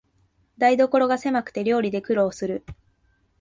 台所がせまくて料理で苦労する